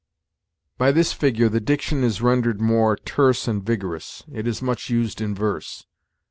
By this figure the diction is rendered more terse and vigorous; it is much used in verse.